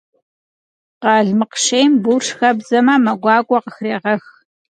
Къалмыкъ шейм бурш хэбдзэмэ, мэ гуакӏуэ къыхрегъэх.